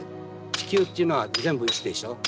地球っていうのは全部石でしょ。